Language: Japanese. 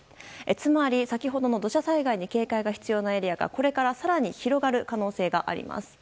つまり、先ほどの土砂災害に警戒が必要なエリアがこれから更に広がる可能性があります。